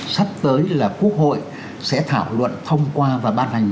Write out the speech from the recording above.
sắp tới là quốc hội sẽ thảo luận thông qua và ban hành